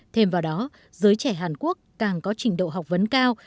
thêm vào đó giới trẻ hàn quốc càng có trình độ học vấn cao